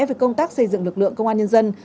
về công tác xây dựng lực lượng công an nhân dân